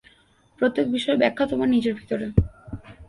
প্রত্যেক বিষয়ের ব্যাখ্যা তোমার নিজের ভিতরে।